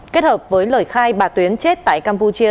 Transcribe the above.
kết hợp với lời khai bà tuyến chết tại campuchia